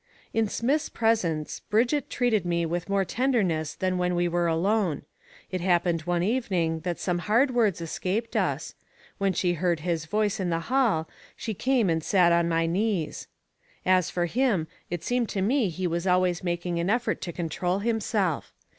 In Smith's presence, Brigitte treated me with more tenderness than when we were alone. It happened one evening that some hard words escaped us; when she heard his voice in the hall, she came and sat on my knees. As for him, it seemed to me he was always making an effort to control himself.